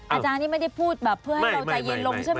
อาจารย์นี่ไม่ได้พูดแบบเพื่อให้เราใจเย็นลงใช่ไหม